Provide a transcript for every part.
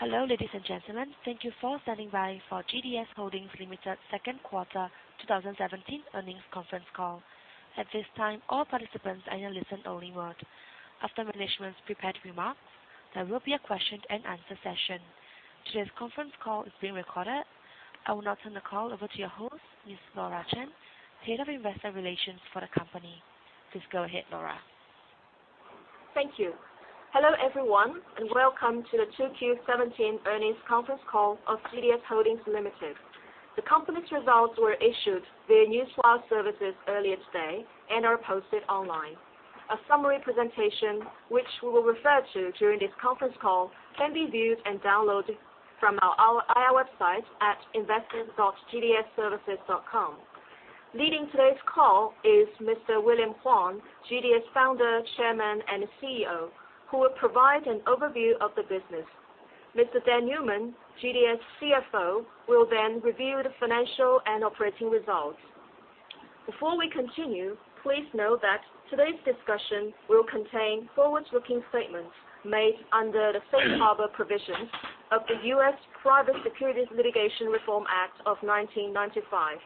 Hello, ladies and gentlemen. Thank you for standing by for GDS Holdings Limited second quarter 2017 earnings conference call. At this time, all participants are in a listen only mode. After management's prepared remarks, there will be a question and answer session. Today's conference call is being recorded. I will now turn the call over to your host, Ms. Laura Chen, head of investor relations for the company. Please go ahead, Laura. Thank you. Hello, everyone. Welcome to the 2Q17 earnings conference call of GDS Holdings Limited. The company's results were issued via Newswire services earlier today and are posted online. A summary presentation, which we will refer to during this conference call, can be viewed and downloaded from our IR website at investor.gdsservices.com. Leading today's call is Mr. William Huang, GDS Founder, Chairman, and CEO, who will provide an overview of the business. Mr. Dan Newman, GDS CFO, will review the financial and operating results. Before we continue, please note that today's discussion will contain forward-looking statements made under the safe harbor provisions of the U.S. Private Securities Litigation Reform Act of 1995.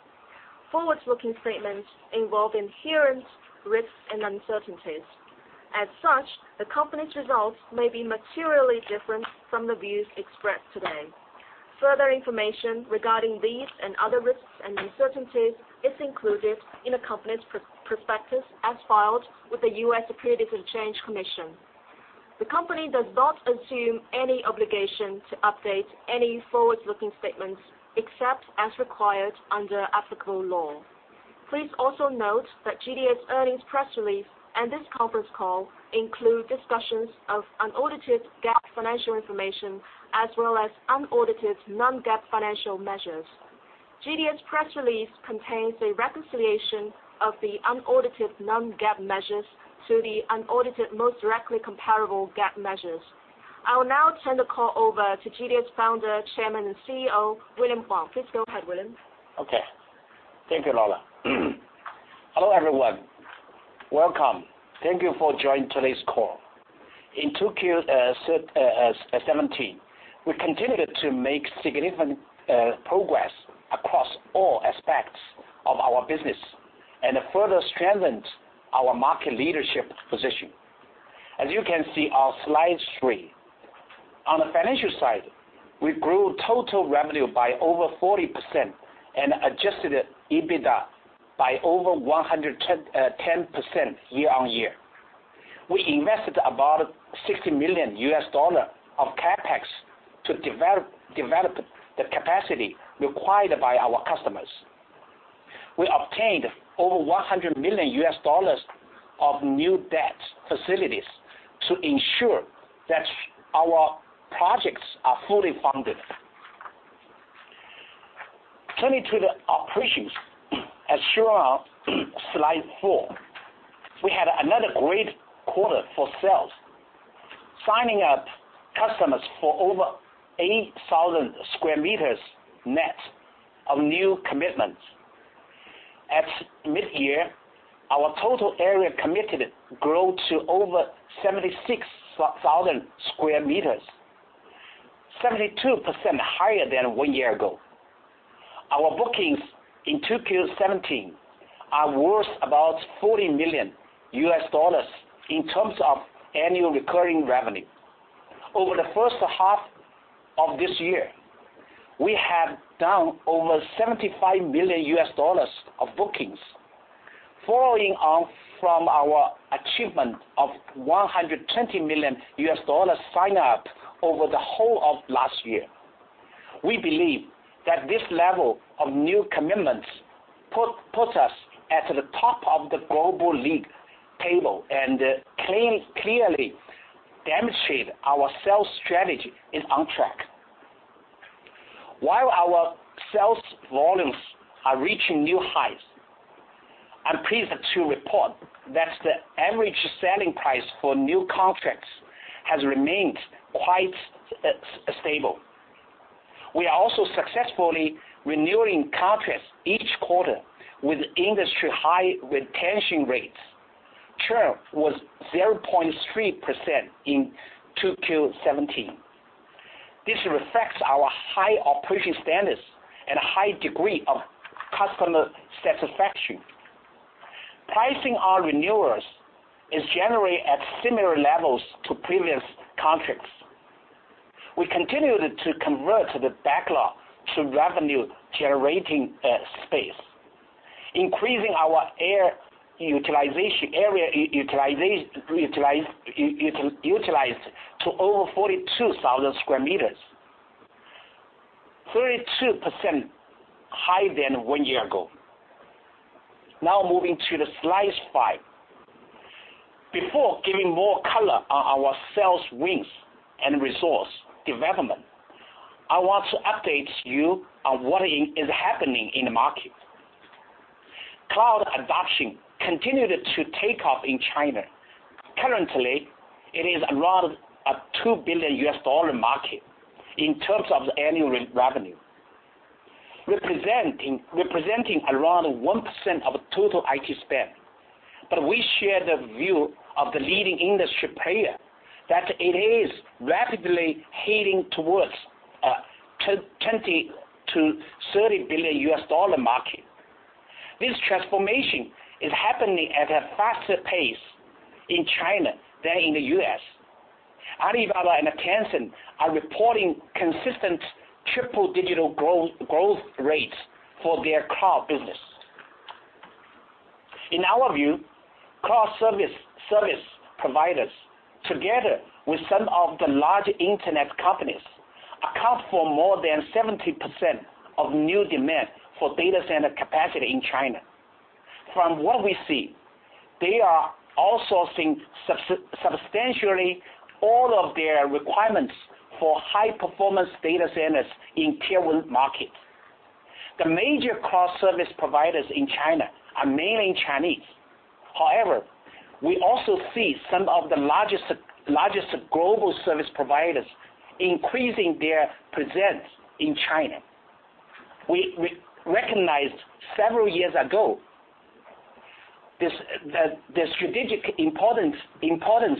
Forward-looking statements involve inherent risks and uncertainties. Such, the company's results may be materially different from the views expressed today. Further information regarding these and other risks and uncertainties is included in the company's prospectus as filed with the U.S. Securities and Exchange Commission. The company does not assume any obligation to update any forward-looking statements except as required under applicable law. Please also note that GDS earnings press release and this conference call include discussions of unaudited GAAP financial information as well as unaudited non-GAAP financial measures. GDS press release contains a reconciliation of the unaudited non-GAAP measures to the unaudited most directly comparable GAAP measures. I will now turn the call over to GDS Founder, Chairman, and CEO, William Huang. Please go ahead, William. Okay. Thank you, Laura. Hello, everyone. Welcome. Thank you for joining today's call. In 2Q17, we continued to make significant progress across all aspects of our business and further strengthened our market leadership position. You can see on slide three. On the financial side, we grew total revenue by over 40% and adjusted EBITDA by over 110% year-on-year. We invested about $60 million of CapEx to develop the capacity required by our customers. We obtained over $100 million of new debt facilities to ensure that our projects are fully funded. Turning to the operations as shown on slide four. We had another great quarter for sales, signing up customers for over 8,000 sq m net of new commitments. At mid-year, our total area committed grew to over 76,000 sq m, 72% higher than one year ago. Our bookings in 2Q17 are worth about $40 million in terms of annual recurring revenue. Over the first half of this year, we have done over $75 million of bookings, following on from our achievement of $120 million signed up over the whole of last year. We believe that this level of new commitments put us at the top of the global league table and clearly demonstrate our sales strategy is on track. While our sales volumes are reaching new heights, I am pleased to report that the average selling price for new contracts has remained quite stable. We are also successfully renewing contracts each quarter with industry high retention rates. Churn was 0.3% in 2Q17. This reflects our high operating standards and high degree of customer satisfaction. Pricing on renewals is generally at similar levels to previous contracts. We continued to convert the backlog to revenue-generating space, increasing our area utilized to over 42,000 sq m, 32% higher than one year ago. Now moving to slide five. Before giving more color on our sales wins and resource development, I want to update you on what is happening in the market. Cloud adoption continued to take off in China. Currently, it is around a $2 billion market in terms of annual revenue, representing around 1% of total IT spend. We share the view of the leading industry player that it is rapidly heading towards a $20 billion-$30 billion market. This transformation is happening at a faster pace in China than in the U.S. Alibaba and Tencent are reporting consistent triple digital growth rates for their cloud business. In our view, cloud service providers, together with some of the large internet companies, account for more than 70% of new demand for data center capacity in China. From what we see, they are also seeing substantially all of their requirements for high-performance data centers in Tier 1 markets. The major cloud service providers in China are mainly Chinese. We also see some of the largest global service providers increasing their presence in China. We recognized several years ago the strategic importance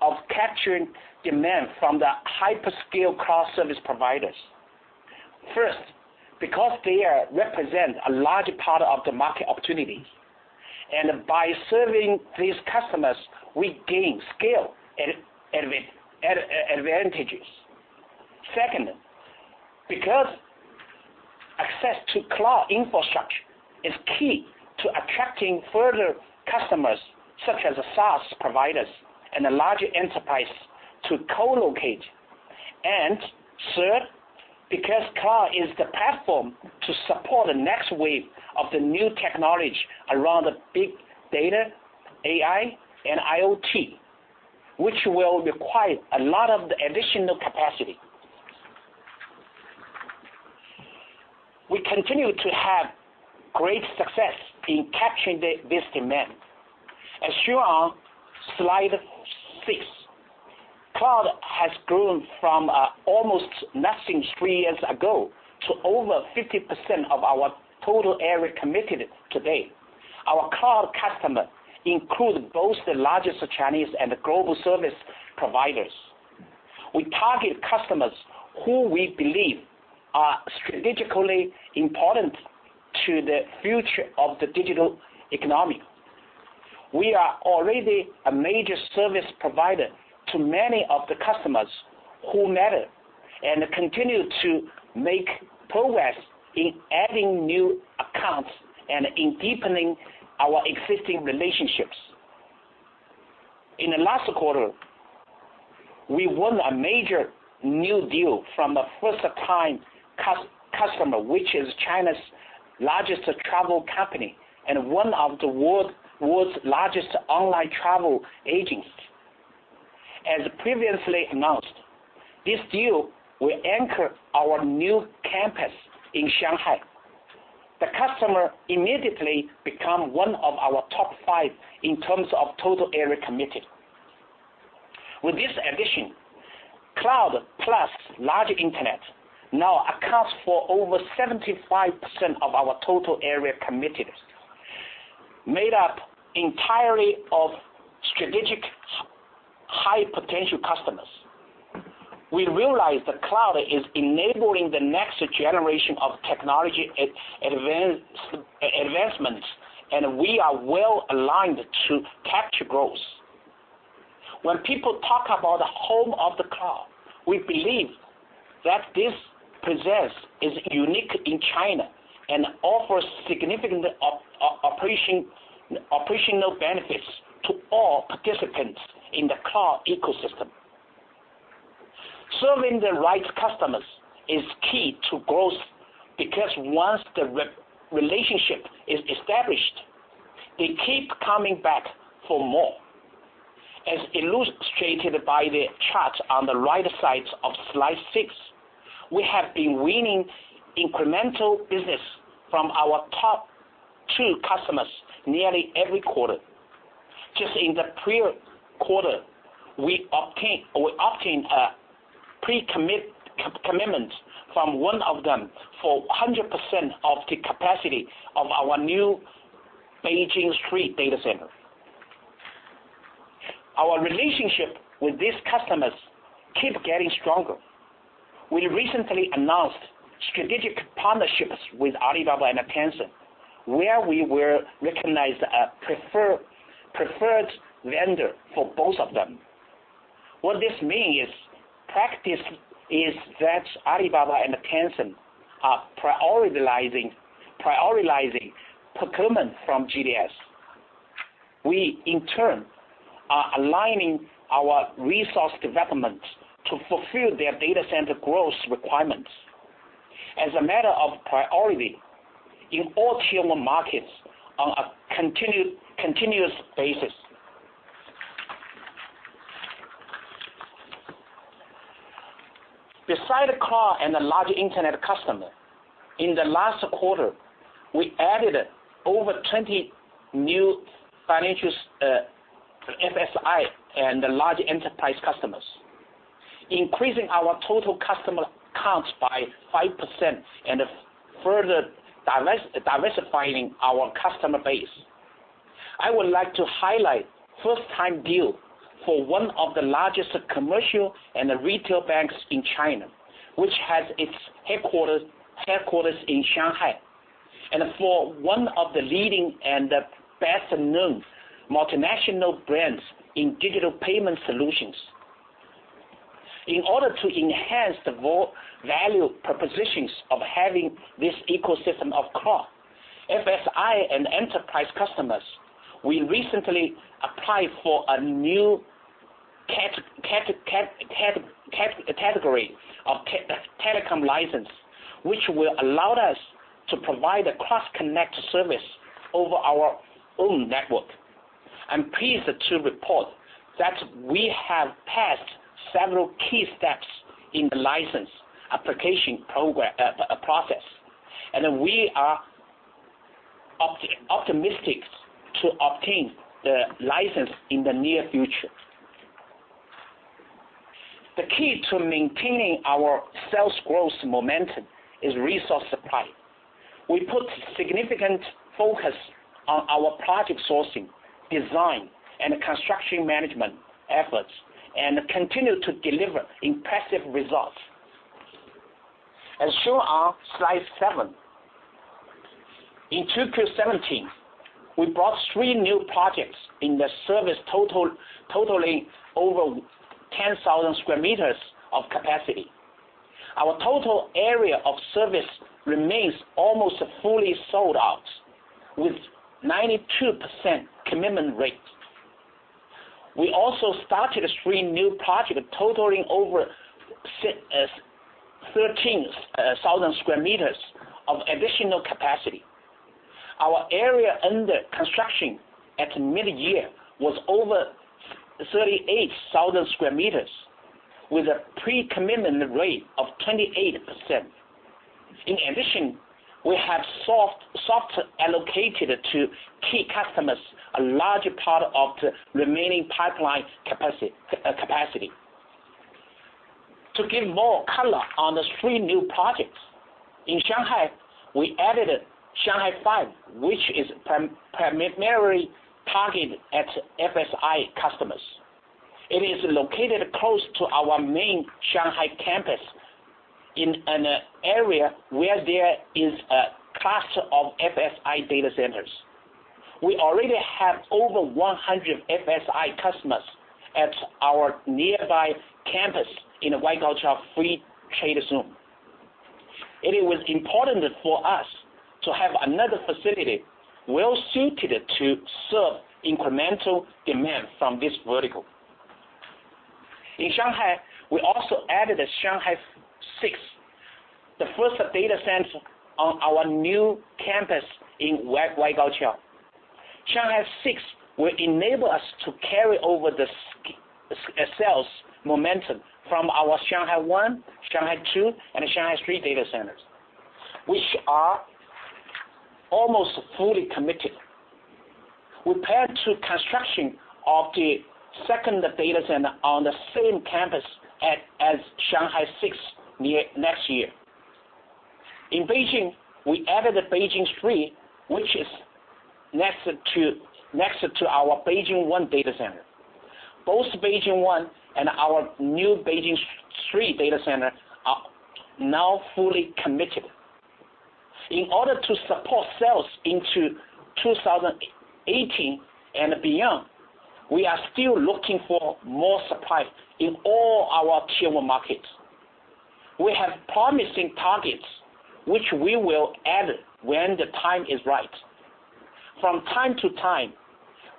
of capturing demand from the hyper-scale cloud service providers. First, because they represent a large part of the market opportunity, and by serving these customers, we gain scale advantages. Second, because access to cloud infrastructure is key to attracting further customers, such as the SaaS providers and the larger enterprise to co-locate. Third, because cloud is the platform to support the next wave of the new technology around big data, AI, and IoT, which will require a lot of the additional capacity. We continue to have great success in capturing this demand. As shown on slide six, cloud has grown from almost nothing three years ago to over 50% of our total area committed today. Our cloud customer includes both the largest Chinese and global service providers. We target customers who we believe are strategically important to the future of the digital economy. We are already a major service provider to many of the customers who matter, and continue to make progress in adding new accounts and in deepening our existing relationships. In the last quarter, we won a major new deal from a first-time customer, which is China's largest travel company and one of the world's largest online travel agents. As previously announced, this deal will anchor our new campus in Shanghai. The customer immediately become one of our top five in terms of total area committed. With this addition, cloud plus large internet now accounts for over 75% of our total area committed, made up entirely of strategic high-potential customers. We realize that cloud is enabling the next generation of technology advancements, and we are well-aligned to capture growth. When people talk about the home of the cloud, we believe that this presence is unique in China and offers significant operational benefits to all participants in the cloud ecosystem. Serving the right customers is key to growth because once the relationship is established, they keep coming back for more. As illustrated by the chart on the right side of slide six, we have been winning incremental business from our top two customers nearly every quarter. Just in the prior quarter, we obtained a pre-commitment from one of them for 100% of the capacity of our new Beijing Street data center. Our relationship with these customers keep getting stronger. We recently announced strategic partnerships with Alibaba and Tencent, where we were recognized a preferred vendor for both of them. What this means practice is that Alibaba and Tencent are prioritizing procurement from GDS. We, in turn, are aligning our resource development to fulfill their data center growth requirements as a matter of priority in all Tier 1 markets on a continuous basis. Beside cloud and the large internet customer, in the last quarter, we added over 20 new financials, FSI, and the large enterprise customers. Increasing our total customer counts by 5% and further diversifying our customer base. I would like to highlight first time deal for one of the largest commercial and retail banks in China, which has its headquarters in Shanghai, and for one of the leading and best-known multinational brands in digital payment solutions. In order to enhance the value propositions of having this ecosystem of cloud, FSI, and enterprise customers, we recently applied for a new category of telecom license, which will allow us to provide a cross-connect service over our own network. I am pleased to report that we have passed several key steps in the license application process, and we are optimistic to obtain the license in the near future. The key to maintaining our sales growth momentum is resource supply. We put significant focus on our project sourcing, design, and construction management efforts and continue to deliver impressive results. As shown on slide seven. In 2Q17, we brought three new projects in the service totaling over 10,000 sq m of capacity. Our total area of service remains almost fully sold out with 92% commitment rate. We also started three new project totaling over 13,000 sq m of additional capacity. Our area under construction at mid-year was over 38,000 sq m with a pre-commitment rate of 28%. In addition, we have soft allocated to key customers a large part of the remaining pipeline capacity. To give more color on the three new projects. In Shanghai, we added Shanghai Five, which is primarily targeted at FSI customers. It is located close to our main Shanghai campus in an area where there is a cluster of FSI data centers. We already have over 100 FSI customers at our nearby campus in Waigaoqiao Free Trade Zone. It was important for us to have another facility well-suited to serve incremental demand from this vertical. In Shanghai, we also added Shanghai Six, the first data center on our new campus in Waigaoqiao. Shanghai Six will enable us to carry over the sales momentum from our Shanghai One, Shanghai Two, and Shanghai Three data centers, which are almost fully committed. We plan to construct the second data center on the same campus as Shanghai Six next year. In Beijing, we added Beijing Three, which is next to our Beijing One data center. Both Beijing One and our new Beijing Three data center are now fully committed. In order to support sales into 2018 and beyond, we are still looking for more supply in all our Tier One markets. We have promising targets, which we will add when the time is right. From time to time,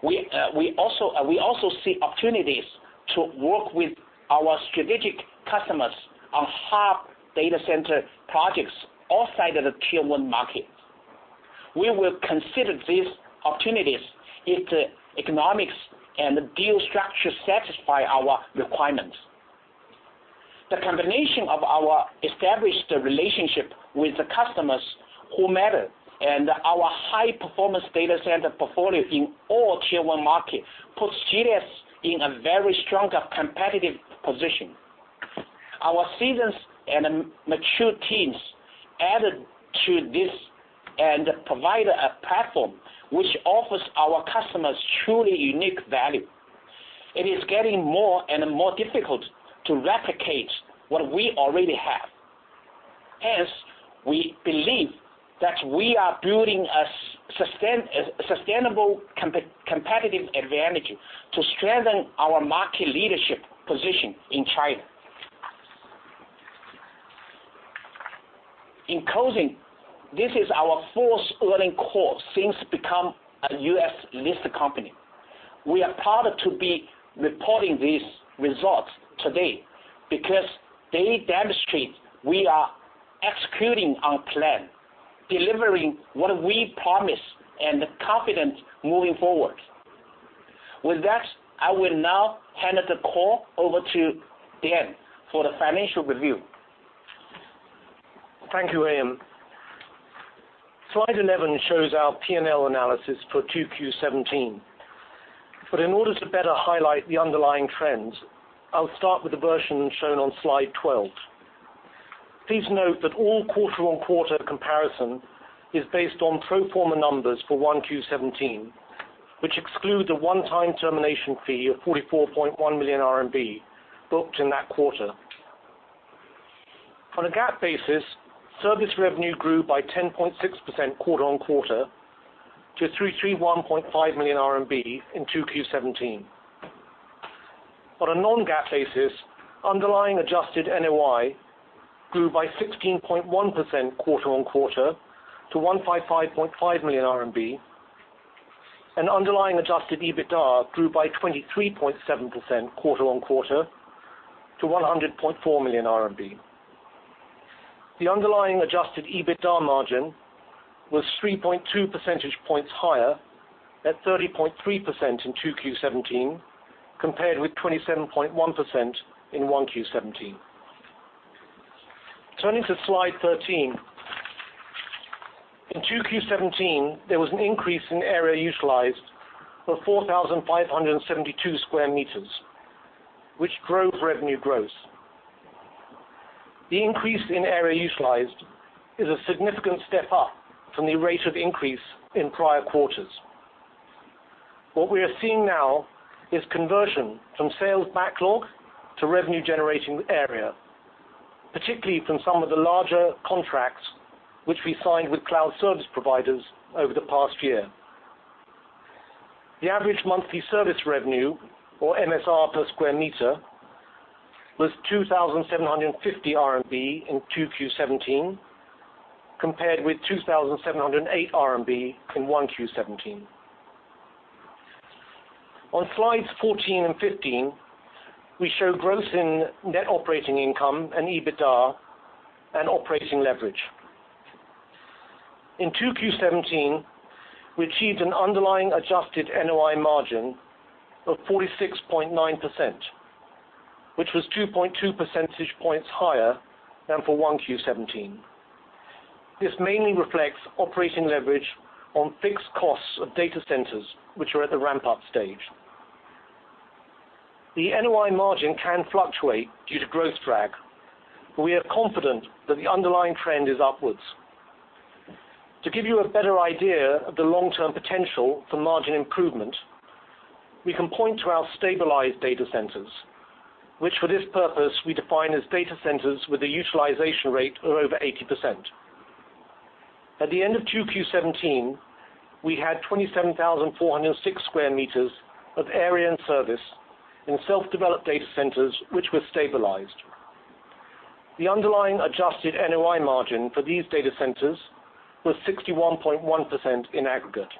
we also see opportunities to work with our strategic customers on hub data center projects outside of the Tier One market. We will consider these opportunities if the economics and deal structure satisfy our requirements. The combination of our established relationship with the customers who matter and our high-performance data center portfolio in all Tier One markets puts GDS in a very strong competitive position. Our seasoned and mature teams added to this and provide a platform which offers our customers truly unique value. It is getting more and more difficult to replicate what we already have. Hence, we believe that we are building a sustainable competitive advantage to strengthen our market leadership position in China. In closing, this is our fourth earnings call since becoming a U.S.-listed company. We are proud to be reporting these results today because they demonstrate we are executing on plan, delivering what we promise, and confident moving forward. With that, I will now hand the call over to Dan for the financial review. Thank you, William. slide 11 shows our P&L analysis for 2Q17. In order to better highlight the underlying trends, I'll start with the version shown on slide 12. Please note that all quarter-on-quarter comparison is based on pro forma numbers for 1Q17, which excludes a one-time termination fee of 44.1 million RMB booked in that quarter. On a GAAP basis, service revenue grew by 10.6% quarter-on-quarter to 331.5 million RMB in 2Q17. On a non-GAAP basis, underlying adjusted NOI grew by 16.1% quarter-on-quarter to 155.5 million RMB, and underlying adjusted EBITDA grew by 23.7% quarter-on-quarter to 100.4 million RMB. The underlying adjusted EBITDA margin was 3.2 percentage points higher at 30.3% in 2Q17, compared with 27.1% in 1Q17. Turning to slide 13. In 2Q17, there was an increase in area utilized of 4,572 sq m, which drove revenue growth. The increase in area utilized is a significant step up from the rate of increase in prior quarters. What we are seeing now is conversion from sales backlog to revenue-generating area, particularly from some of the larger contracts which we signed with cloud service providers over the past year. The average monthly service revenue, or MSR per square meter, was 2,750 RMB in 2Q17, compared with 2,708 RMB in 1Q17. On slides 14 and 15, we show growth in net operating income and EBITDA and operating leverage. In 2Q17, we achieved an underlying adjusted NOI margin of 46.9%, which was 2.2 percentage points higher than for 1Q17. This mainly reflects operating leverage on fixed costs of data centers which are at the ramp-up stage. The NOI margin can fluctuate due to growth drag, but we are confident that the underlying trend is upwards. To give you a better idea of the long-term potential for margin improvement, we can point to our stabilized data centers, which for this purpose we define as data centers with a utilization rate of over 80%. At the end of 2Q17, we had 27,406 sq m of area and service in self-developed data centers which were stabilized. The underlying adjusted NOI margin for these data centers was 61.1% in aggregate.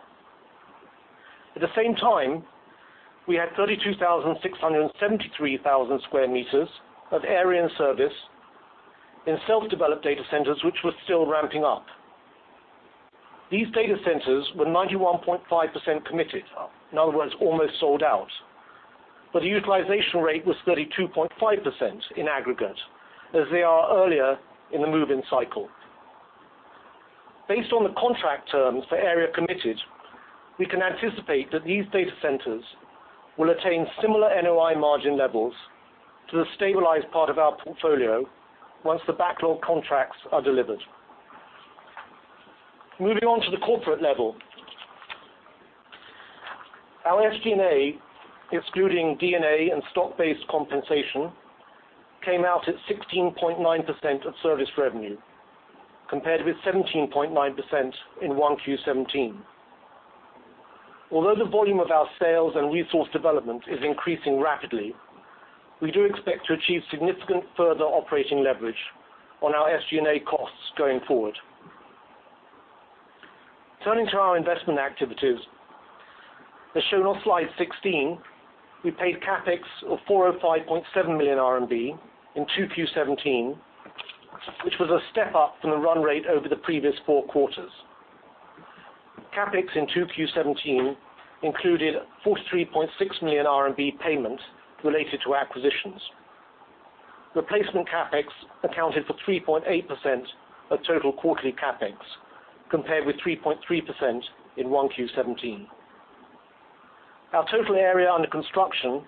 At the same time, we had 32,673,000 sq m of area and service in self-developed data centers, which were still ramping up. These data centers were 91.5% committed, in other words, almost sold out, but the utilization rate was 32.5% in aggregate as they are earlier in the move-in cycle. Based on the contract terms for area committed, we can anticipate that these data centers will attain similar NOI margin levels to the stabilized part of our portfolio once the backlog contracts are delivered. Moving on to the corporate level. Our SG&A, excluding D&A and stock-based compensation, came out at 16.9% of service revenue, compared with 17.9% in 1Q17. The volume of our sales and resource development is increasing rapidly, we do expect to achieve significant further operating leverage on our SG&A costs going forward. Turning to our investment activities. As shown on slide 16, we paid CapEx of 405.7 million RMB in 2Q17, which was a step up from the run rate over the previous four quarters. CapEx in 2Q17 included 43.6 million RMB payment related to acquisitions. Replacement CapEx accounted for 3.8% of total quarterly CapEx, compared with 3.3% in 1Q17. Our total area under construction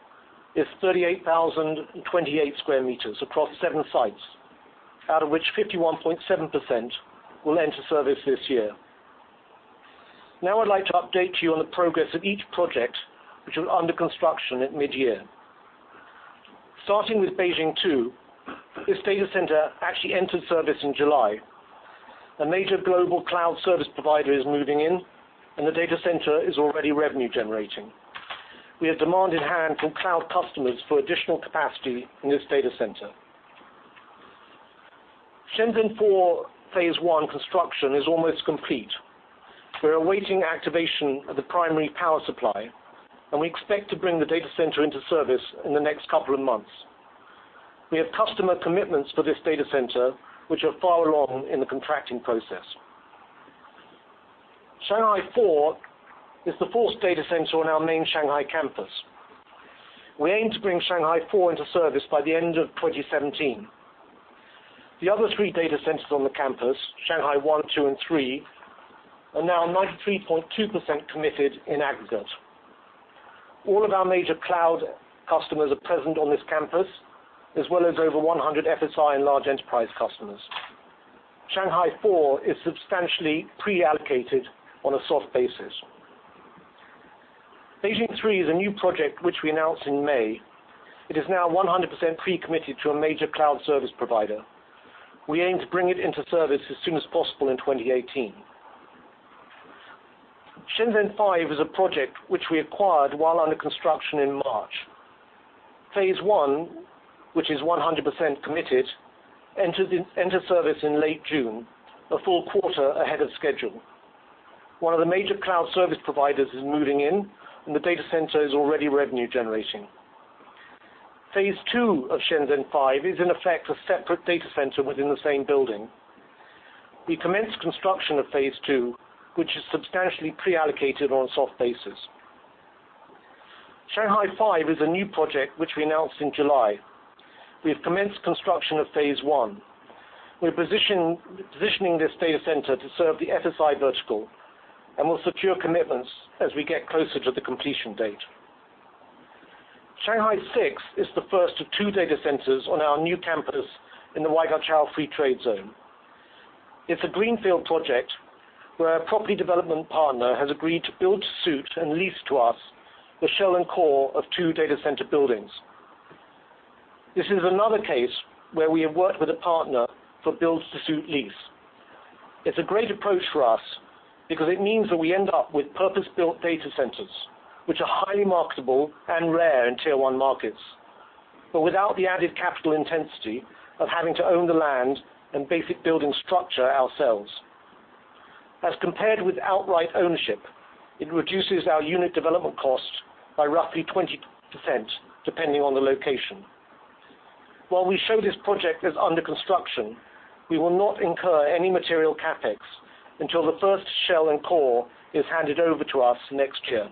is 38,028 sq m across seven sites, out of which 51.7% will enter service this year. I'd like to update you on the progress of each project which was under construction at mid-year. Starting with Beijing 2, this data center actually entered service in July. A major global cloud service provider is moving in and the data center is already revenue generating. We have demand in hand from cloud customers for additional capacity in this data center. Shenzhen 4 phase 1 construction is almost complete. We're awaiting activation of the primary power supply, and we expect to bring the data center into service in the next couple of months. We have customer commitments for this data center, which are far along in the contracting process. Shanghai Four is the fourth data center on our main Shanghai campus. We aim to bring Shanghai Four into service by the end of 2017. The other three data centers on the campus, Shanghai One, Two, and Three, are now 93.2% committed in aggregate. All of our major cloud customers are present on this campus, as well as over 100 FSI and large enterprise customers. Shanghai Four is substantially pre-allocated on a soft basis. Beijing Three is a new project which we announced in May. It is now 100% pre-committed to a major cloud service provider. We aim to bring it into service as soon as possible in 2018. Shenzhen Five is a project which we acquired while under construction in March. Phase One, which is 100% committed, entered service in late June, a full quarter ahead of schedule. One of the major cloud service providers is moving in, and the data center is already revenue generating. Phase Two of Shenzhen Five is, in effect, a separate data center within the same building. We commenced construction of Phase Two, which is substantially pre-allocated on a soft basis. Shanghai Five is a new project which we announced in July. We have commenced construction of Phase One. We're positioning this data center to serve the FSI vertical and will secure commitments as we get closer to the completion date. Shanghai Six is the first of two data centers on our new campus in the Waigaoqiao Free Trade Zone. It's a greenfield project where our property development partner has agreed to build, suit, and lease to us the shell and core of two data center buildings. This is another case where we have worked with a partner for build to suit lease. It's a great approach for us because it means that we end up with purpose-built data centers, which are highly marketable and rare in Tier 1 markets, but without the added capital intensity of having to own the land and basic building structure ourselves. As compared with outright ownership, it reduces our unit development cost by roughly 20%, depending on the location. While we show this project as under construction, we will not incur any material CapEx until the first shell and core is handed over to us next year.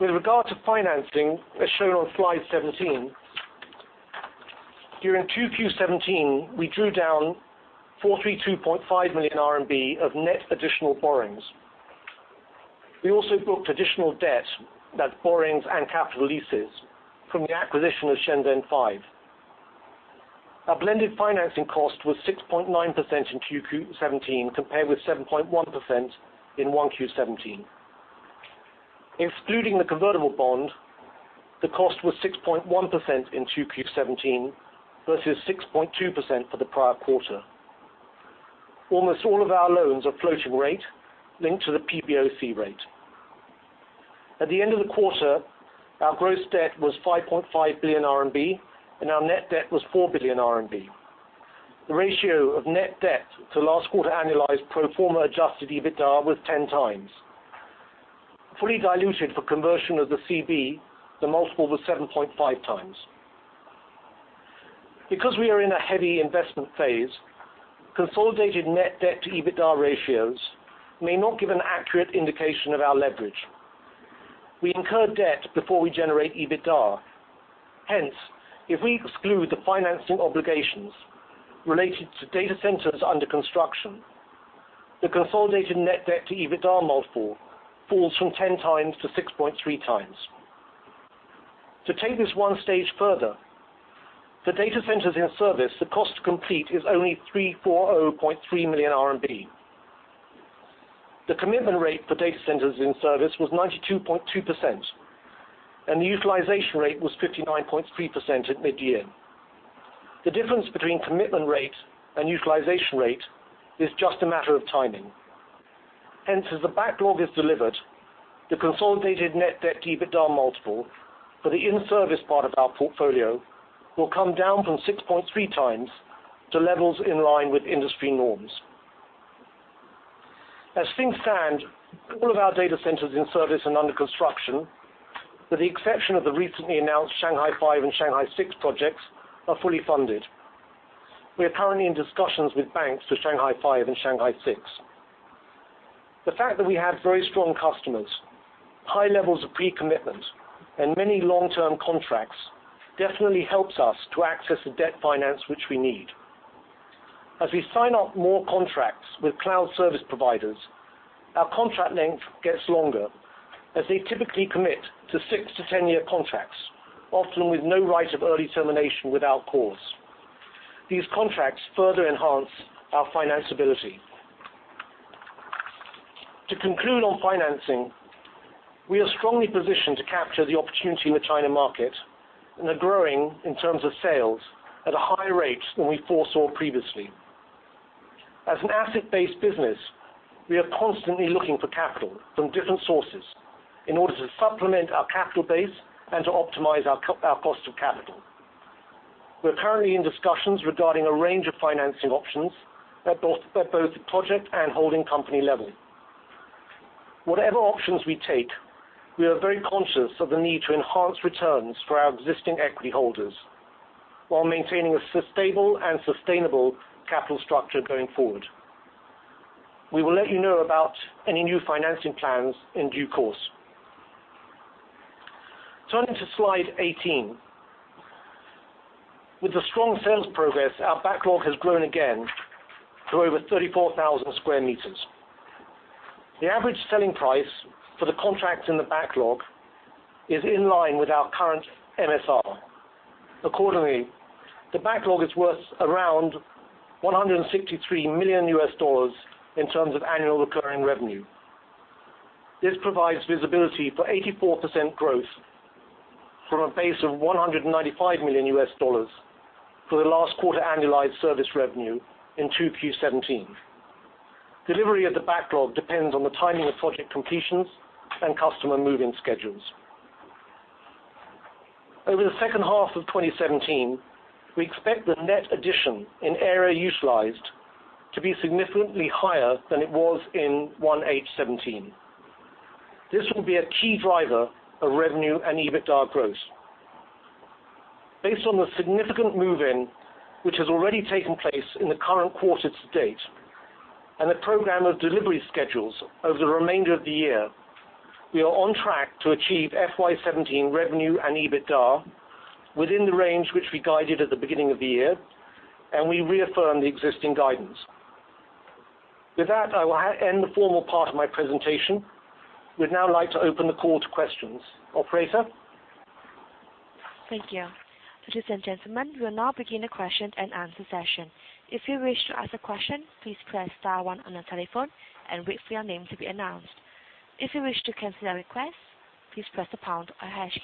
With regard to financing, as shown on slide 17, during 2Q17, we drew down 432.5 million RMB of net additional borrowings. We also booked additional debt, that's borrowings and capital leases, from the acquisition of Shenzhen Five. Our blended financing cost was 6.9% in 2Q17, compared with 7.1% in 1Q17. Excluding the convertible bond, the cost was 6.1% in 2Q17 versus 6.2% for the prior quarter. Almost all of our loans are floating rate, linked to the PBOC rate. At the end of the quarter, our gross debt was 5.5 billion RMB, and our net debt was 4 billion RMB. The ratio of net debt to last quarter annualized pro forma adjusted EBITDA was 10 times. Fully diluted for conversion of the CB, the multiple was 7.5 times. Because we are in a heavy investment phase, consolidated net debt to EBITDA ratios may not give an accurate indication of our leverage. We incur debt before we generate EBITDA. Hence, if we exclude the financing obligations related to data centers under construction, the consolidated net debt to EBITDA multiple falls from 10 times to 6.3 times. To take this 1 stage further, for data centers in service, the cost to complete is only 340.3 million RMB. The commitment rate for data centers in service was 92.2%, and the utilization rate was 59.3% at mid-year. The difference between commitment rate and utilization rate is just a matter of timing. As the backlog is delivered, the consolidated net debt to EBITDA multiple for the in-service part of our portfolio will come down from 6.3 times to levels in line with industry norms. As things stand, all of our data centers in service and under construction, with the exception of the recently announced Shanghai Five and Shanghai Six projects, are fully funded. We are currently in discussions with banks for Shanghai Five and Shanghai Six. The fact that we have very strong customers, high levels of pre-commitment, and many long-term contracts definitely helps us to access the debt finance which we need. As we sign up more contracts with cloud service providers, our contract length gets longer as they typically commit to 6 to 10-year contracts, often with no right of early termination without cause. These contracts further enhance our finance ability. To conclude on financing, we are strongly positioned to capture the opportunity in the China market and are growing in terms of sales at a higher rate than we foresaw previously. As an asset-based business, we are constantly looking for capital from different sources in order to supplement our capital base and to optimize our cost of capital. We're currently in discussions regarding a range of financing options at both the project and holding company level. Whatever options we take, we are very conscious of the need to enhance returns for our existing equity holders while maintaining a stable and sustainable capital structure going forward. We will let you know about any new financing plans in due course. Turning to Slide 18. With the strong sales progress, our backlog has grown again to over 34,000 sq m. The average selling price for the contracts in the backlog is in line with our current MSR. The backlog is worth around $163 million in terms of annual recurring revenue. This provides visibility for 84% growth from a base of $195 million for the last quarter annualized service revenue in 2Q 2017. Delivery of the backlog depends on the timing of project completions and customer move-in schedules. Over the second half of 2017, we expect the net addition in area utilized to be significantly higher than it was in 1H 2017. This will be a key driver of revenue and EBITDA growth. Based on the significant move-in, which has already taken place in the current quarter to date, and the program of delivery schedules over the remainder of the year, we are on track to achieve FY 2017 revenue and EBITDA within the range which we guided at the beginning of the year, and we reaffirm the existing guidance. With that, I will end the formal part of my presentation. We'd now like to open the call to questions. Operator? Thank you. Ladies and gentlemen, we will now begin the question-and-answer session. If you wish to ask a question, please press star one on your telephone and wait for your name to be announced. If you wish to cancel that request, please press the pound or hash.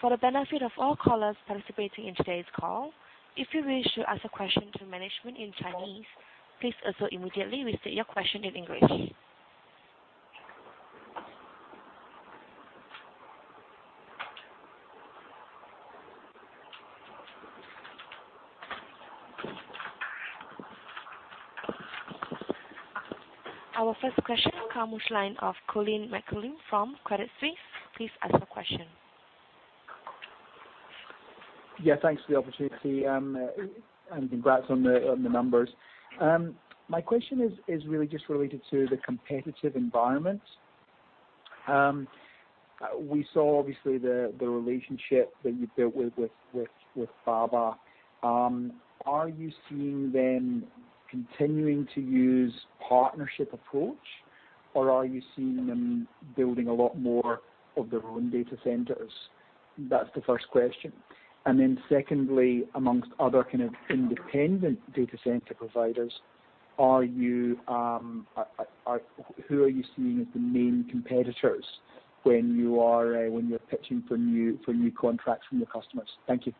For the benefit of all callers participating in today's call, if you wish to ask a question to management in Chinese, please also immediately restate your question in English. Our first question comes line of Colin McCallum from Credit Suisse. Please ask your question. Yeah, thanks for the opportunity, and congrats on the numbers. My question is really just related to the competitive environment. We saw obviously the relationship that you built with Alibaba. Are you seeing them continuing to use partnership approach, or are you seeing them building a lot more of their own data centers? That's the first question. Secondly, amongst other kind of independent data center providers, who are you seeing as the main competitors when you're pitching for new contracts from your customers? Thank you.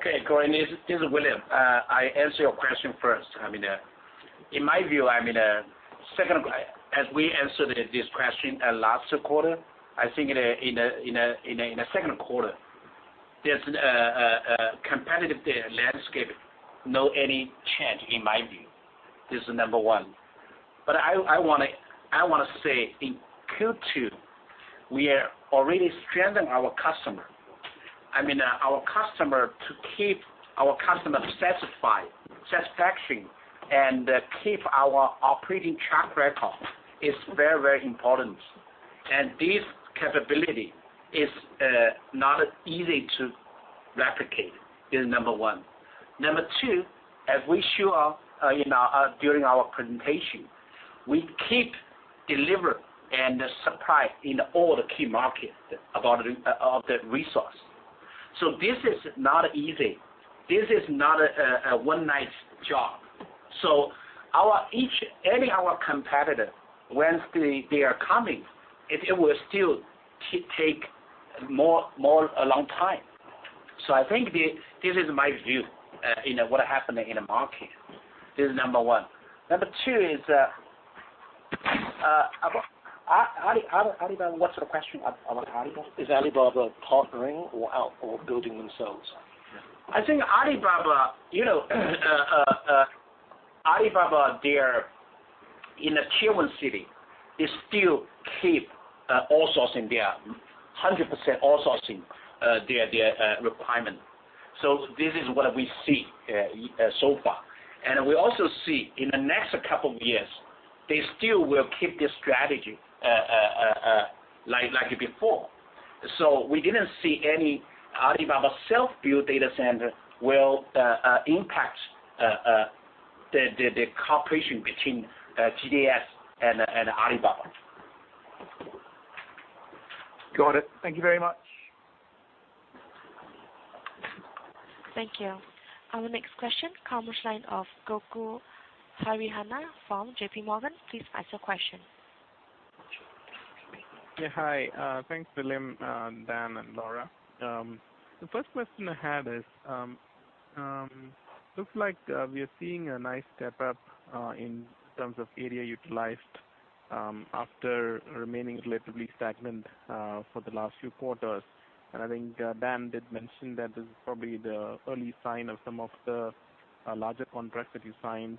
Okay, Colin, this is William. I answer your question first. In my view, as we answered this question last quarter, I think in the second quarter, there's a competitive landscape, no any change in my view. This is number one. I want to say in Q2, we are already strengthen our customer. To keep our customer satisfaction and keep our operating track record is very important. This capability is not easy to replicate, is number one. Number two, as we show during our presentation, we keep deliver and supply in all the key markets of the resource. This is not easy. This is not a one night job. Any competitor, once they are coming, it will still take a long time. I think this is my view in what happened in the market. This is number one. Number two is, what's the question about Alibaba? Is Alibaba partnering or building themselves? I think Alibaba, they are in the Tier 1 city. They still keep outsourcing their, 100% outsourcing their requirement. This is what we see so far. We also see in the next couple of years, they still will keep this strategy like before. We didn't see any Alibaba self-built data center will impact the cooperation between GDS and Alibaba. Got it. Thank you very much. Thank you. Our next question comes line of Gokul Hariharan from JPMorgan. Please ask your question. Hi. Thanks, William, Dan, and Laura. The first question I had is, looks like we are seeing a nice step up in terms of area utilized after remaining relatively stagnant for the last few quarters. I think Dan did mention that this is probably the early sign of some of the larger contracts that you signed,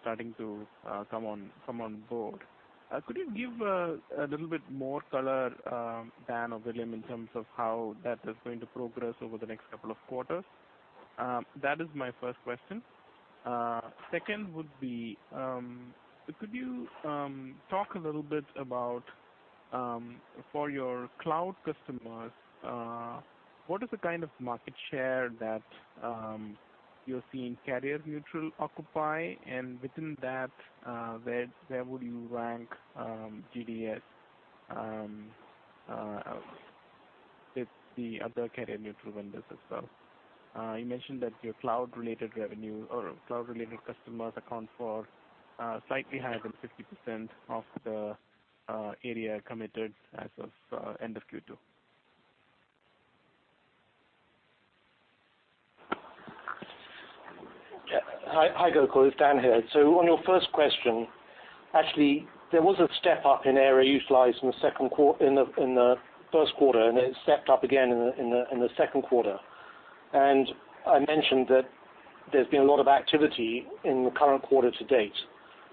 starting to come on board. Could you give a little bit more color, Dan or William, in terms of how that is going to progress over the next couple of quarters? That is my first question. Second would be, could you talk a little bit about, for your cloud customers, what is the kind of market share that you're seeing carrier neutral occupy? And within that, where would you rank GDS with the other carrier neutral vendors as well? You mentioned that your cloud related revenue or cloud related customers account for slightly higher than 50% of the area committed as of end of Q2. Hi, Gokul. It's Dan here. On your first question, actually, there was a step up in area utilized in the first quarter, and it stepped up again in the second quarter. I mentioned that there's been a lot of activity in the current quarter to date,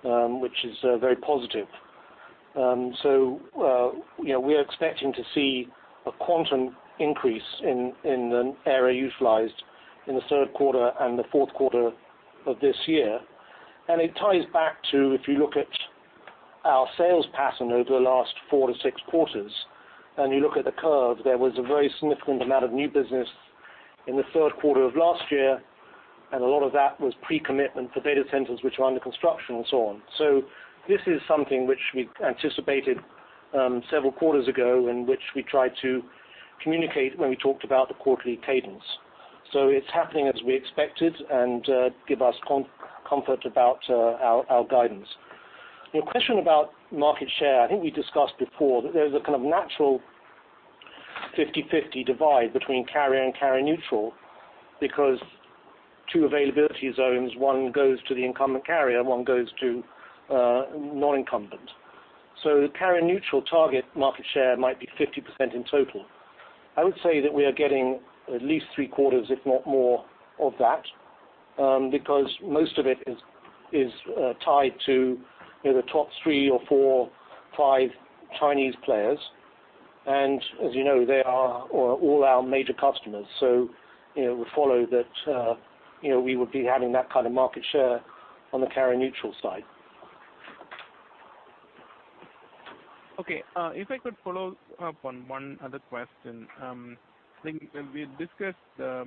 which is very positive. We are expecting to see a quantum increase in the area utilized in the third quarter and the fourth quarter of this year. It ties back to, if you look at our sales pattern over the last four to six quarters, and you look at the curve, there was a very significant amount of new business in the third quarter of last year, and a lot of that was pre-commitment for data centers, which are under construction and so on. This is something which we anticipated several quarters ago, in which we tried to communicate when we talked about the quarterly cadence. It's happening as we expected and give us comfort about our guidance. Your question about market share, I think we discussed before that there is a kind of natural 50/50 divide between carrier and carrier neutral because two availability zones, one goes to the incumbent carrier, one goes to non-incumbent. The carrier neutral target market share might be 50% in total. I would say that we are getting at least 3/4, if not more of that, because most of it is tied to the top three or four, five Chinese players. As you know, they are all our major customers. It would follow that we would be having that kind of market share on the carrier neutral side. Okay. If I could follow up on one other question. I think we discussed the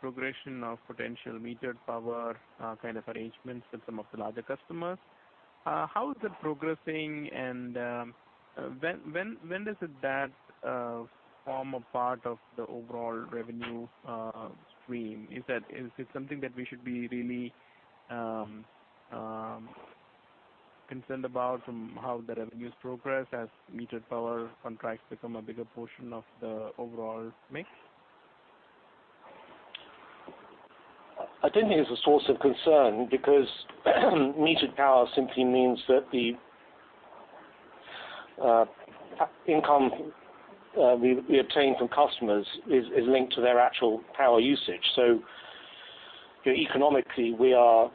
progression of potential metered power kind of arrangements with some of the larger customers. How is that progressing and when does that form a part of the overall revenue stream? Is it something that we should be really concerned about from how the revenues progress as metered power contracts become a bigger portion of the overall mix? I don't think it's a source of concern because metered power simply means that the income we obtain from customers is linked to their actual power usage. Economically, we are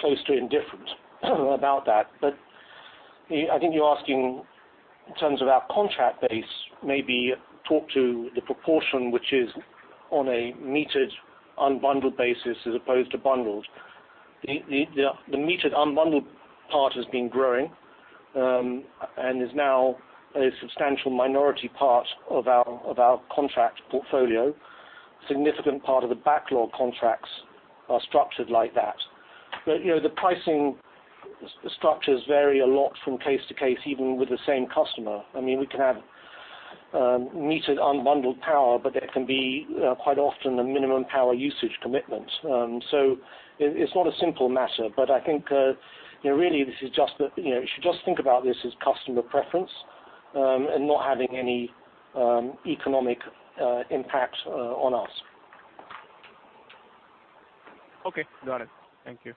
close to indifferent about that. I think you're asking in terms of our contract base, maybe talk to the proportion which is on a metered unbundled basis as opposed to bundled. The metered unbundled part has been growing, and is now a substantial minority part of our contract portfolio. A significant part of the backlog contracts are structured like that. The pricing structures vary a lot from case to case, even with the same customer. We can have metered unbundled power, but it can be quite often a minimum power usage commitment. It's not a simple matter, I think, really you should just think about this as customer preference, and not having any economic impact on us. Okay. Got it. Thank you.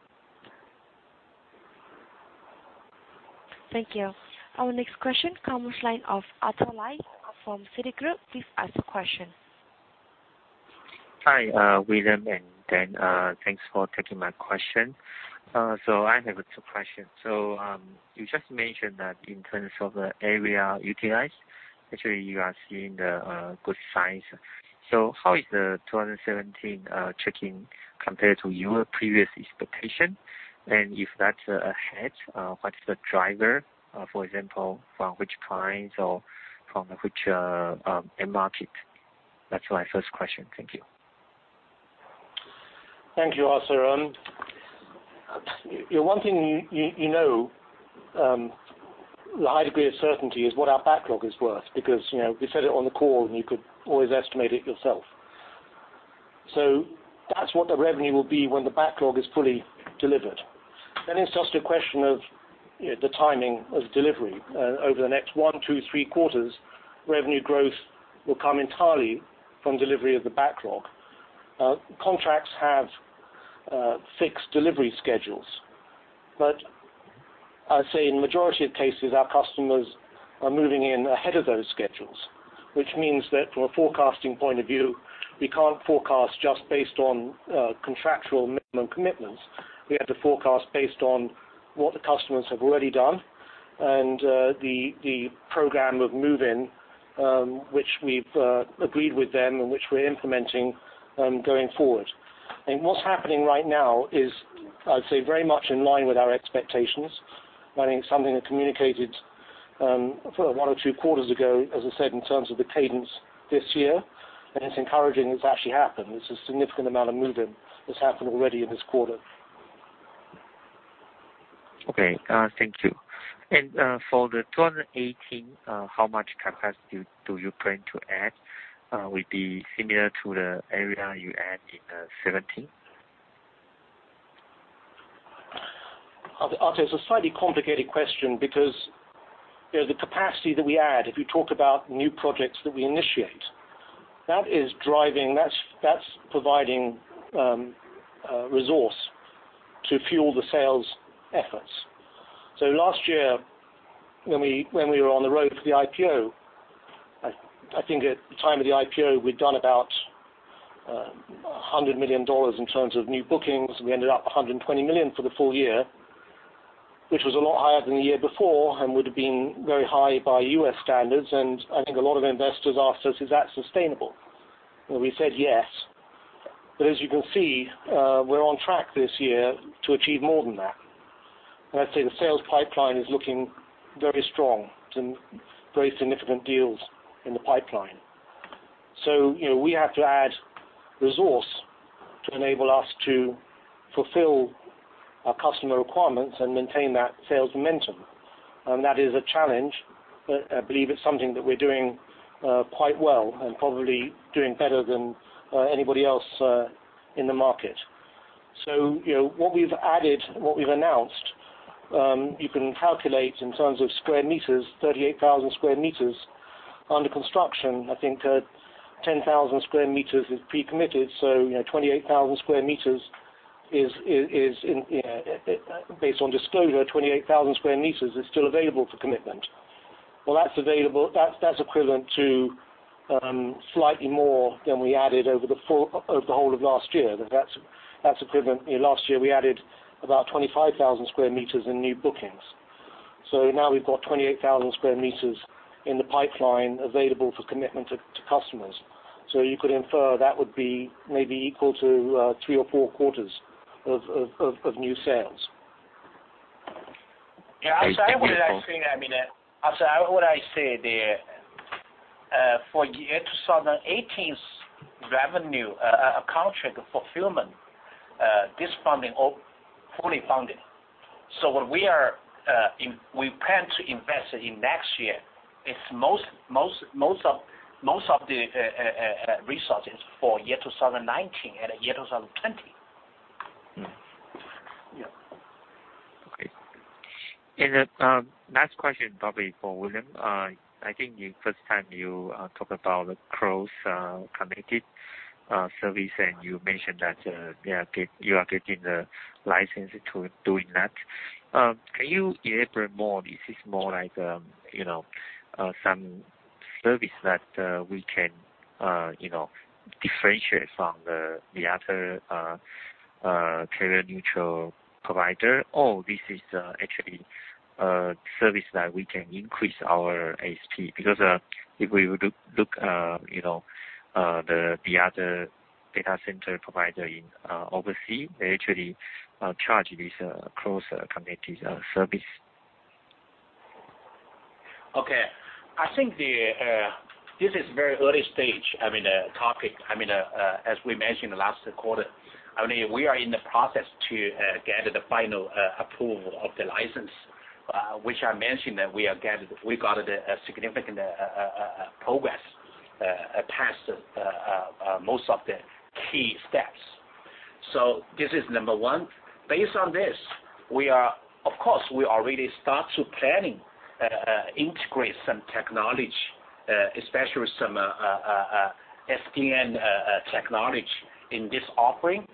Thank you. Our next question comes line of Arthur Lai from Citigroup. Please ask your question. Hi, William and Dan. Thanks for taking my question. I have two questions. You just mentioned that in terms of the area utilized, actually you are seeing the good signs. How is 2017 checking compared to your previous expectation? If that's ahead, what's the driver, for example, from which clients or from which end market? That's my first question. Thank you. Thank you, Arthur. One thing you know with a high degree of certainty is what our backlog is worth because, we said it on the call, and you could always estimate it yourself. That's what the revenue will be when the backlog is fully delivered. It's just a question of the timing of delivery. Over the next one to three quarters, revenue growth will come entirely from delivery of the backlog. Contracts have fixed delivery schedules. I'd say in majority of cases, our customers are moving in ahead of those schedules, which means that from a forecasting point of view, we can't forecast just based on contractual minimum commitments. We have to forecast based on what the customers have already done and the program of move-in, which we've agreed with them and which we're implementing going forward. What's happening right now is, I'd say, very much in line with our expectations. I think something that communicated for one or two quarters ago, as I said, in terms of the cadence this year, it's encouraging it's actually happened. It's a significant amount of move-in that's happened already in this quarter. Okay. Thank you. For the 2018, how much capacity do you plan to add? Will it be similar to the area you add in 2017? Arthur, it's a slightly complicated question because the capacity that we add, if you talk about new projects that we initiate, that's providing resource to fuel the sales efforts. Last year, when we were on the road for the IPO, I think at the time of the IPO, we'd done about $100 million in terms of new bookings. We ended up $120 million for the full year, which was a lot higher than the year before and would've been very high by U.S. standards. I think a lot of investors asked us, "Is that sustainable?" We said, "Yes." As you can see, we're on track this year to achieve more than that. I'd say the sales pipeline is looking very strong, some very significant deals in the pipeline. We have to add resource to enable us to fulfill our customer requirements and maintain that sales momentum. That is a challenge, but I believe it's something that we're doing quite well, and probably doing better than anybody else in the market. What we've added, what we've announced, you can calculate in terms of square meters, 38,000 square meters under construction. I think 10,000 square meters is pre-committed. Based on disclosure, 28,000 square meters is still available for commitment. That's equivalent to slightly more than we added over the whole of last year. Last year, we added about 25,000 square meters in new bookings. Now we've got 28,000 square meters in the pipeline available for commitment to customers. You could infer that would be maybe equal to three or four quarters of new sales. What I say there, for year 2018's revenue contract fulfillment, this funding all fully funded. What we plan to invest in next year is most of the resources for year 2019 and year 2020. The last question probably for William. I think the first time you talked about the cross connected service, and you mentioned that you are getting the license to doing that. Can you elaborate more? This is more like some service that we can differentiate from the other carrier neutral provider, or this is actually a service that we can increase our ASP. If we look the other data center provider in overseas, they actually charge this cross connected service. Okay. I think this is very early stage topic. As we mentioned last quarter, we are in the process to get the final approval of the license, which I mentioned that we got a significant progress, passed most of the key steps. This is number 1. Based on this, of course, we already start planning, integrate some technology, especially some SDN technology in this offering.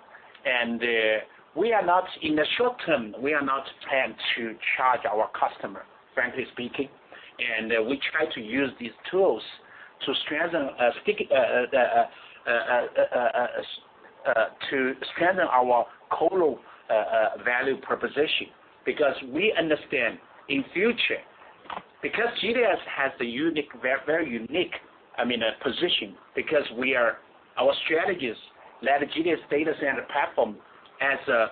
In the short term, we are not planning to charge our customer, frankly speaking. We try to use these tools to strengthen our colo value proposition. We understand in future, because GDS has a very unique position because our strategies let GDS data center platform as a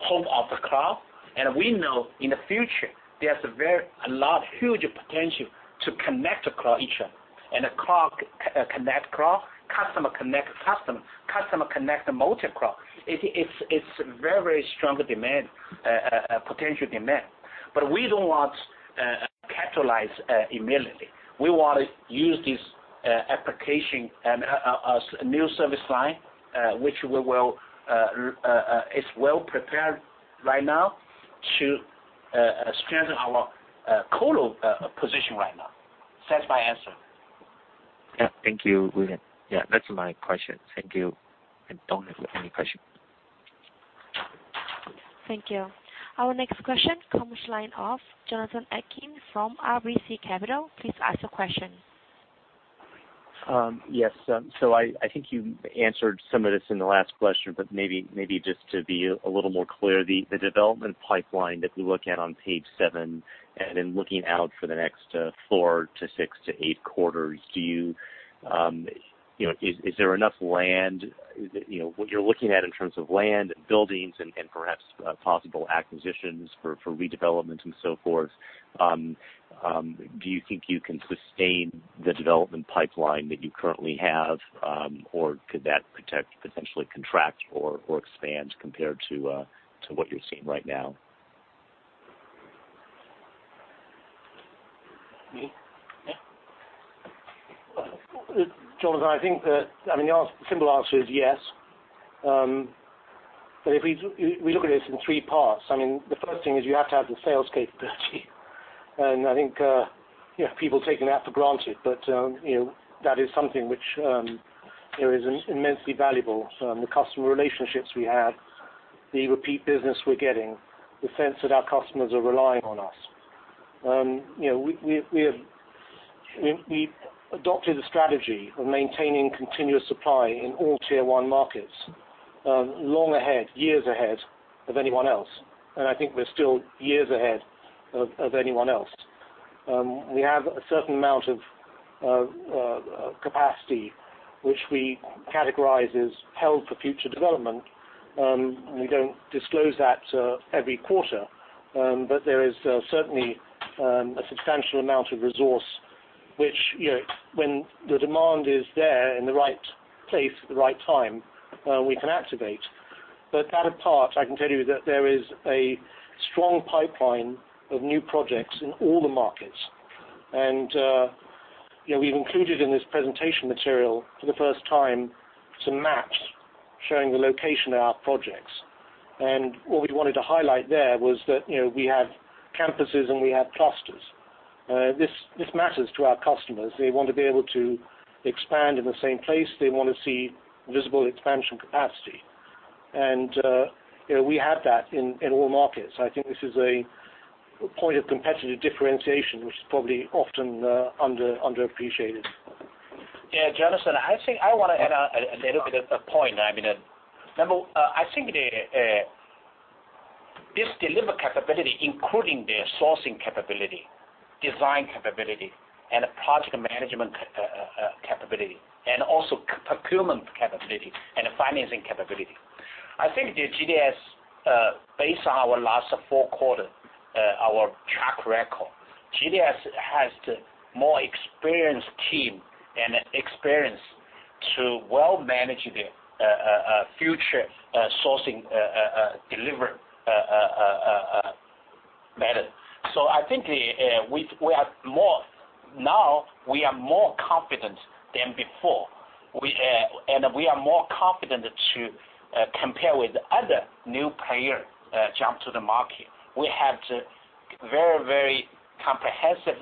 home of the cloud. We know in the future there's a huge potential to connect cloud each other, and a cloud connect cloud, customer connect customer connect multi-cloud. It's a very strong potential demand. We don't want to capitalize immediately. We want to use this application and a new service line, which is well prepared right now to strengthen our colo position right now. That's my answer. Thank you, William. That's my question. Thank you. I don't have any question. Thank you. Our next question comes from Jonathan Atkin from RBC Capital. Please ask your question. Yes. I think you answered some of this in the last question, but maybe just to be a little more clear, the development pipeline that we look at on page seven, and in looking out for the next four to six to eight quarters, is there enough land? What you're looking at in terms of land and buildings and perhaps possible acquisitions for redevelopment and so forth, do you think you can sustain the development pipeline that you currently have? Or could that potentially contract or expand compared to what you're seeing right now? Me? Yeah. Jonathan, I think that the simple answer is yes. If we look at this in three parts, the first thing is you have to have the sales capability. I think people are taking that for granted, but that is something which is immensely valuable. The customer relationships we have, the repeat business we're getting, the sense that our customers are relying on us. We adopted a strategy of maintaining continuous supply in all Tier 1 markets, long ahead, years ahead of anyone else, and I think we're still years ahead of anyone else. We have a certain amount of capacity which we categorize as held for future development. We don't disclose that every quarter. There is certainly a substantial amount of resource, which when the demand is there in the right place at the right time, we can activate. That apart, I can tell you that there is a strong pipeline of new projects in all the markets. We've included in this presentation material, for the first time, some maps showing the location of our projects. What we wanted to highlight there was that we have campuses, and we have clusters. This matters to our customers. They want to be able to expand in the same place. They want to see visible expansion capacity. We have that in all markets. I think this is a point of competitive differentiation, which is probably often underappreciated. Yeah. Jonathan, I think I want to add a little bit of a point. I think this delivery capability, including the sourcing capability, design capability, and project management capability, and also procurement capability and financing capability. I think the GDS, based on our last four quarter, our track record, GDS has the more experienced team and experience to well manage the future sourcing deliver method. I think now we are more confident than before. We are more confident to compare with other new player jump to the market. We have very comprehensive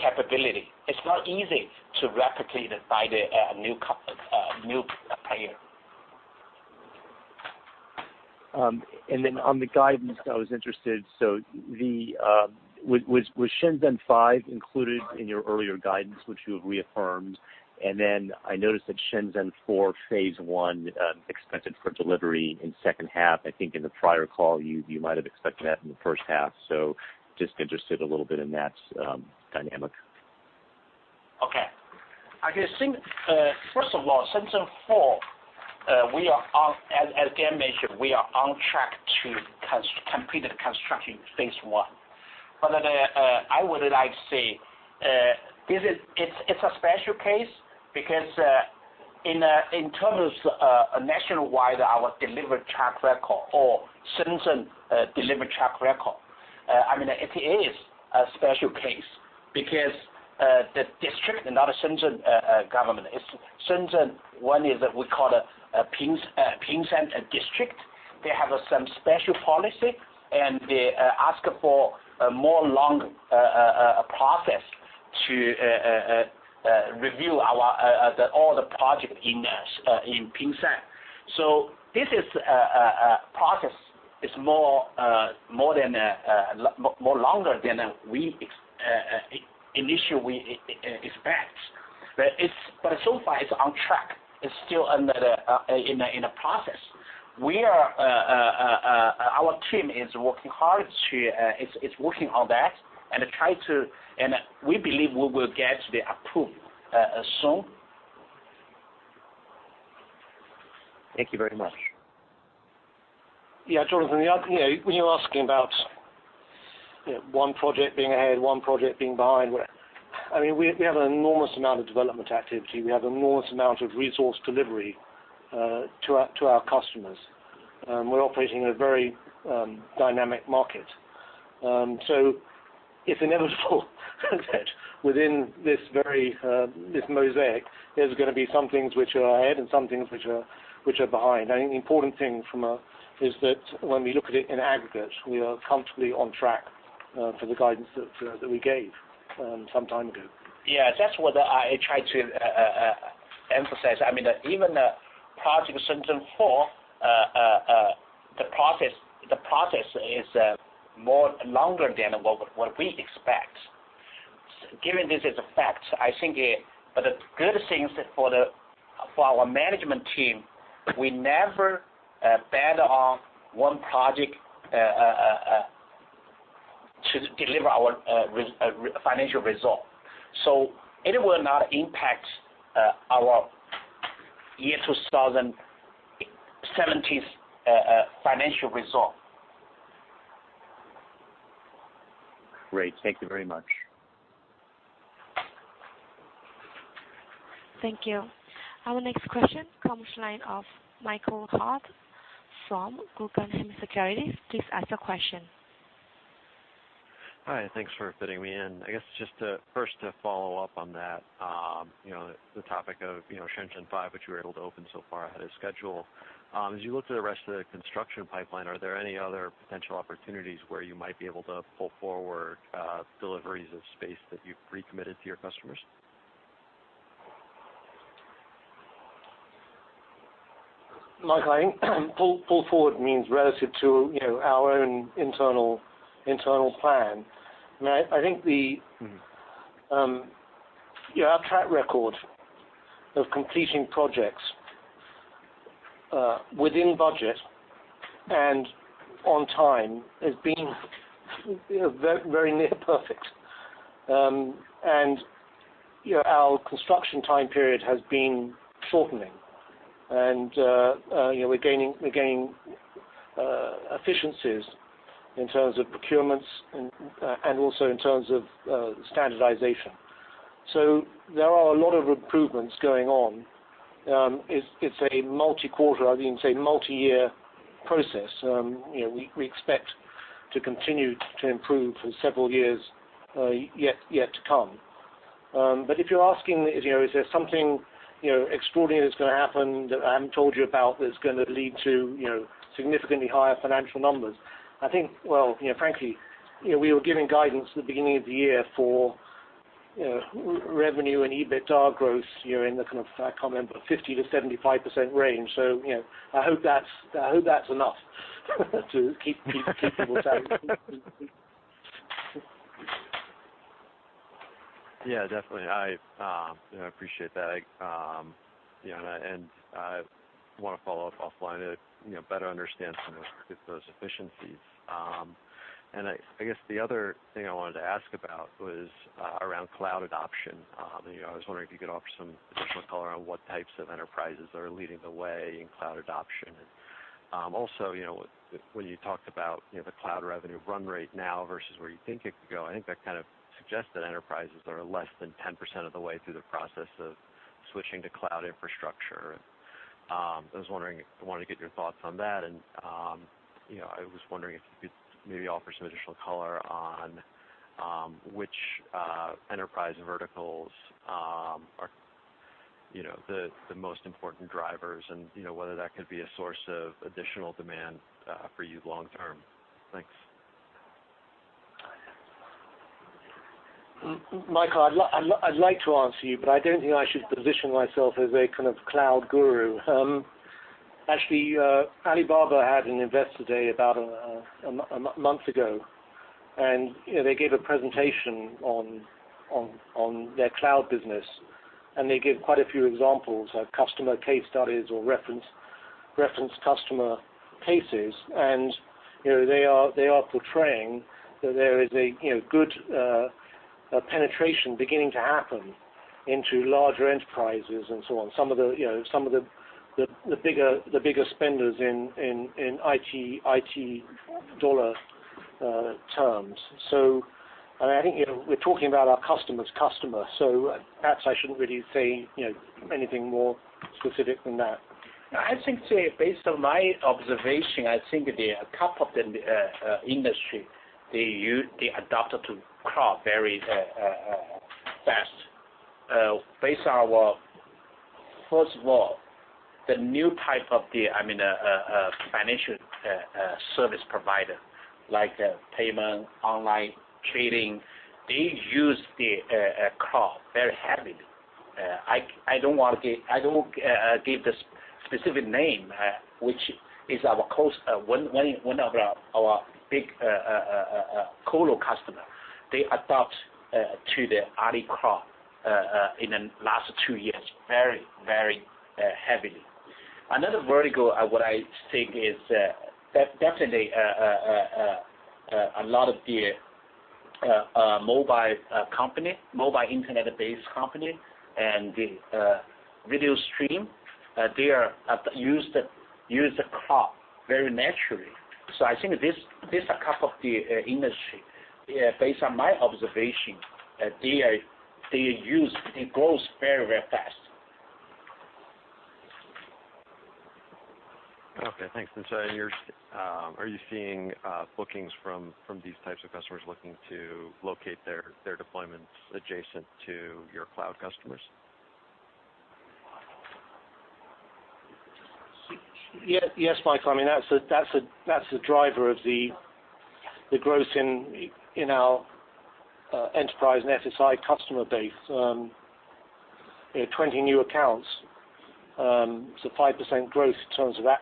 capability. It's not easy to replicate by the new player. On the guidance, I was interested. Was Shenzhen five included in your earlier guidance, which you have reaffirmed? I noticed that Shenzhen four, phase one, expected for delivery in second half. I think in the prior call, you might have expected that in the first half. Just interested a little bit in that dynamic. Okay. I can think, first of all, Shenzhen four, as Dan mentioned, we are on track to complete the construction phase one. I would like to say, it's a special case because, in terms of nationwide, our deliver track record or Shenzhen deliver track record. It is a special case because the district and not a Shenzhen government. Shenzhen one is that we call it Pingshan district. They have some special policy, and they ask for a more long process to review all the project in Pingshan. This process is more longer than initially we expect. So far it's on track. It's still in the process. Our team is working hard. It's working on that, and we believe we will get the approval soon. Thank you very much. Jonathan, when you're asking about one project being ahead, one project being behind, we have an enormous amount of development activity. We have an enormous amount of resource delivery to our customers. We're operating in a very dynamic market. It's inevitable that within this mosaic, there's going to be some things which are ahead and some things which are behind. I think the important thing is that when we look at it in aggregate, we are comfortably on track for the guidance that we gave some time ago. Yeah. That's what I tried to emphasize. Even Project Shenzhen IV, the process is longer than what we expect. Given this as a fact, I think the good things for our management team, we never bet on one project to deliver our financial result. It will not impact our year 2017 financial result. Great. Thank you very much. Thank you. Our next question comes line of Michael Hart from Securities. Please ask your question. Hi. Thanks for fitting me in. I guess just first to follow up on that, the topic of Shenzhen V, which you were able to open so far ahead of schedule. As you look to the rest of the construction pipeline, are there any other potential opportunities where you might be able to pull forward deliveries of space that you've recommitted to your customers? Mike, I think pull forward means relative to our own internal plan. Our track record of completing projects within budget and on time has been very near perfect. Our construction time period has been shortening, and we're gaining efficiencies in terms of procurements and also in terms of standardization. There are a lot of improvements going on. It's a multi-quarter, I'd even say multi-year process. We expect to continue to improve for several years yet to come. If you're asking is there something extraordinary that's going to happen that I haven't told you about that's going to lead to significantly higher financial numbers, I think, well, frankly, we were giving guidance at the beginning of the year for revenue and EBITDA growth in the kind of, I can't remember, 50%-75% range. I hope that's enough to keep people satisfied. Yeah, definitely. I appreciate that. I want to follow up offline to better understand some of those efficiencies. I guess the other thing I wanted to ask about was around cloud adoption. I was wondering if you could offer some additional color on what types of enterprises are leading the way in cloud adoption. Also, when you talked about the cloud revenue run rate now versus where you think it could go, I think that kind of suggests that enterprises are less than 10% of the way through the process of switching to cloud infrastructure. I wanted to get your thoughts on that, and I was wondering if you could maybe offer some additional color on which enterprise verticals are the most important drivers and whether that could be a source of additional demand for you long term. Thanks. Michael, I'd like to answer you, but I don't think I should position myself as a kind of cloud guru. Actually, Alibaba had an investor day about a month ago, and they gave a presentation on their cloud business, and they gave quite a few examples of customer case studies or reference customer cases. They are portraying that there is a good penetration beginning to happen into larger enterprises and so on. Some of the bigger spenders in IT dollar terms. I think we're talking about our customer's customer, so perhaps I shouldn't really say anything more specific than that. Based on my observation, a couple of the industry, they adopted to cloud very fast. First of all, the new type of the financial service provider, like payment, online trading, they use the cloud very heavily. I don't give the specific name, which is our one of our big colo customer. They adopt to the Alibaba Cloud in the last two years very heavily. Another vertical, what I think is definitely a lot of the mobile internet-based company and the video stream, they use the cloud very naturally. I think these are a couple of the industry, based on my observation, it grows very fast. Okay. Thanks. Are you seeing bookings from these types of customers looking to locate their deployments adjacent to your cloud customers? Yes, Mike. That's the driver of the growth in our enterprise and FSI customer base, 20 new accounts, so 5% growth in terms of that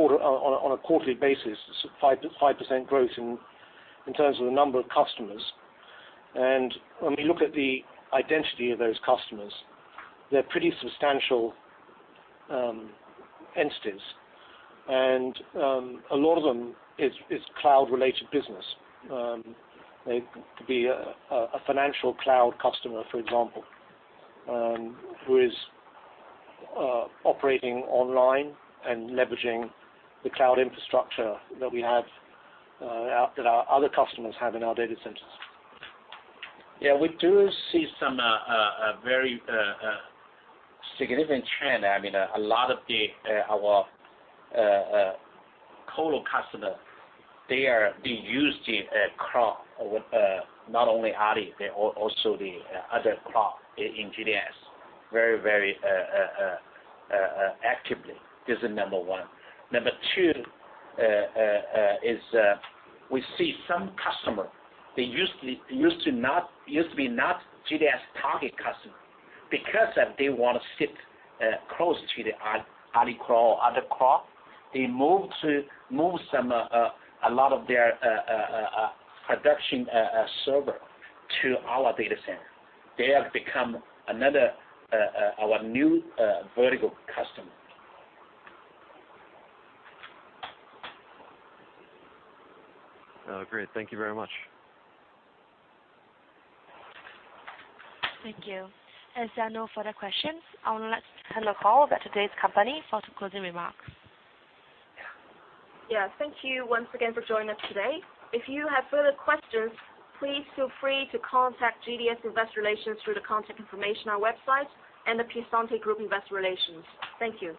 on a quarterly basis, 5% growth in terms of the number of customers. When we look at the identity of those customers, they're pretty substantial entities. A lot of them is cloud-related business. They could be a financial cloud customer, for example, who is operating online and leveraging the cloud infrastructure that our other customers have in our data centers. Yeah, we do see some very significant trend. A lot of our colo customer, they are being used in a cloud with not only Ali, but also the other cloud in GDS very actively. This is number 1. Number 2 is we see some customer, they used to be not GDS target customer, because they want to sit close to the Alibaba Cloud or other cloud, they move a lot of their production server to our data center. They have become our new vertical customer. Great. Thank you very much. Thank you. As there are no further questions, I'll next turn the call back to today's company for some closing remarks. Yeah. Thank you once again for joining us today. If you have further questions, please feel free to contact GDS Investor Relations through the contact information on our website and The Piacente Group Investor Relations. Thank you.